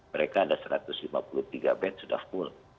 mereka ada satu ratus lima puluh tiga band sudah full